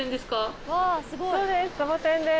そうです